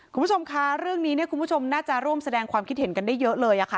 คุณผู้ชมคะเรื่องนี้เนี่ยคุณผู้ชมน่าจะร่วมแสดงความคิดเห็นกันได้เยอะเลยค่ะ